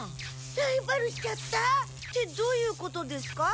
ライバルしちゃった？ってどういうことですか？